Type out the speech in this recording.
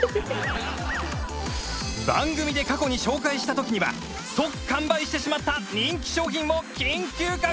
番組で過去に紹介した時には即完売してしまった人気商品も緊急確保